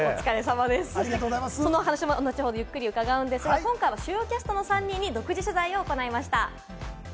このお話も後ほどしっかりと伺うんですけれども、今回は主要キャストの３人に独自取材を行いました。